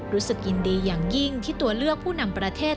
รู้สึกยินดีอย่างยิ่งที่ตัวเลือกผู้นำประเทศ